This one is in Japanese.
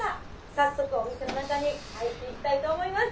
早速お店の中に入っていきたいと思います。